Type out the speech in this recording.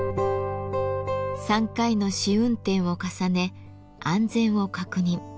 ３回の試運転を重ね安全を確認。